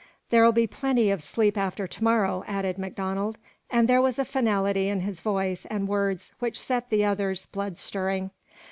"There'll be plenty of sleep after to morrow," added MacDonald, and there was a finality in his voice and words which set the other's blood stirring.